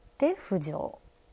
浮上。